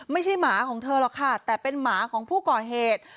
หมาของเธอหรอกค่ะแต่เป็นหมาของผู้ก่อเหตุ